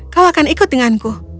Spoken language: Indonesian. kau akan ikut denganku